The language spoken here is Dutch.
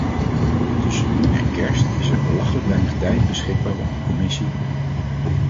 Tussen nu en kerst is er belachelijk weinig tijd beschikbaar om in commissie ...